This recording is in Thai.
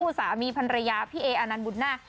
ผู้สามีภรรยาพี่เอออนันต์บุญน่า